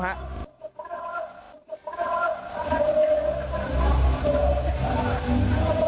อยู่ไหนล่ะ